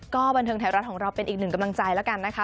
ก็บันเทิงไทยรัฐของเราเป็นอีกหนึ่งกำลังใจแล้วกันนะคะ